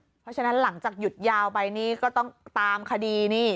เพราะฉะนั้นหลังจากหยุดยาวไปนี่ก็ต้องตามคดีนี่